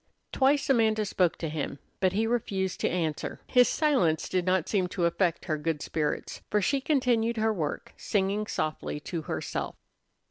Twice Amanda spoke to him, but he refused to answer. His silence did not seem to affect her good spirits, for she continued her work, singing softly to herself.